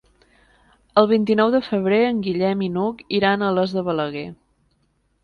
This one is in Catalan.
El vint-i-nou de febrer en Guillem i n'Hug iran a Alòs de Balaguer.